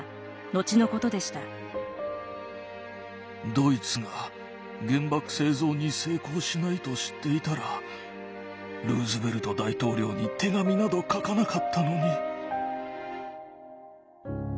ドイツが原爆製造に成功しないと知っていたらルーズベルト大統領に手紙など書かなかったのに。